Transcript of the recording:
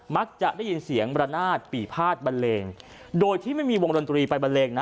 มักจะได้ยินเสียงบรรณาศปีพาดบันเลงโดยที่ไม่มีวงดนตรีไปบันเลงนะ